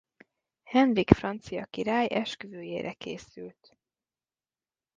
Henrik francia király esküvőjére készült.